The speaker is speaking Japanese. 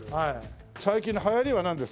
最近の流行りはなんですか？